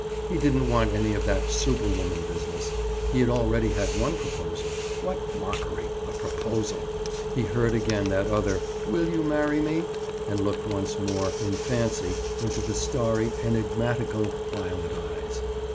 He didn't want any of that "superwoman" business. He had already had one proposal. What mockery! A proposal! He heard again that other "Will you marry me?" and looked once more, in fancy, into the starry, enigmatical violet eyes.